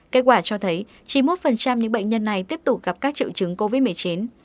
kết quả cho thấy chín mươi một những bệnh nhân này tiếp tục gặp các triệu chứng covid một mươi chín